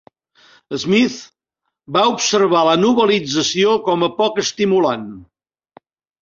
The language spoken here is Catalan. Smith va observar la novel·lització com a poc estimulant.